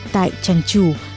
tại trang chủ